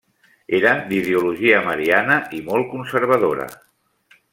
Era d'ideologia mariana i molt conservadora.